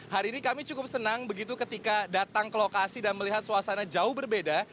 hari ini kami cukup senang begitu ketika datang ke lokasi dan melihat suasana jauh berbeda